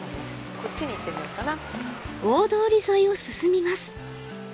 こっちに行ってみようかな。